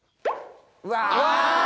うわ！